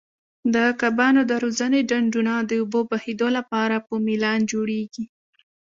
د کبانو د روزنې ډنډونه د اوبو بهېدو لپاره په میلان جوړیږي.